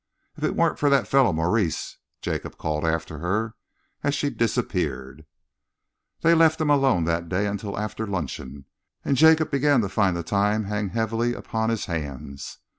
"If it weren't for that fellow Maurice!" Jacob called after her, as she disappeared. They left him alone that day until after luncheon, and Jacob began to find the time hang heavily upon his hands.